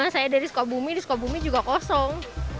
saya dari skop bumi di skop bumi juga kosong